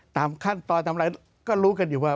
ตามขั้นตอนทำอะไรก็รู้กันอยู่ว่า